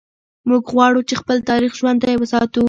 موږ غواړو چې خپل تاریخ ژوندی وساتو.